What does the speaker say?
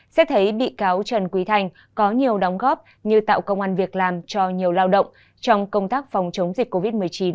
xét thấy bị cáo trần quý thanh có nhiều đóng góp như tạo công an việc làm cho nhiều lao động trong công tác phòng chống dịch covid một mươi chín